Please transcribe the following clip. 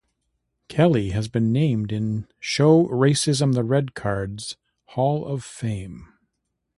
Kelly has been named in "Show Racism the Red Card"'s Hall of Fame.